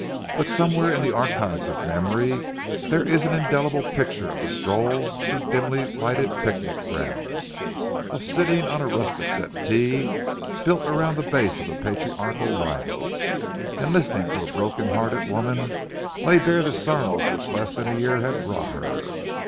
But somewhere in the archives of memory there is an indelible picture of a stroll through dimly lighted picnic grounds; of sitting on a rustic settee, built round the base of a patriarchal live oak, and listening to a broken hearted woman lay bare the sorrows which less than a year had brought her.